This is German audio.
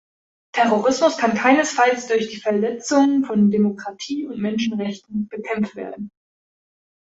Terrorismus kann keinesfalls durch die Verletzung von Demokratie und Menschenrechten bekämpft werden.